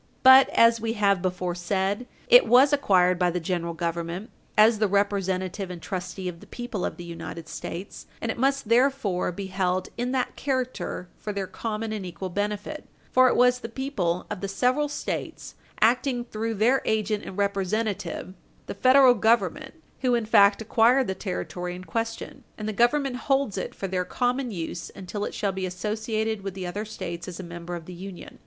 But, as we have before said, it was acquired by the General Government as the representative and trustee of the people of the United States, and it must therefore be held in that character for their common and equal benefit, for it was the people of the several States, acting through their agent and representative, the Federal Government, who in fact acquired the Territory in question, and the Government holds it for their common use until it shall be associated with the other States as a member of the Union.